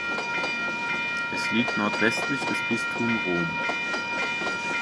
Es liegt nordwestlich des Bistum Rom.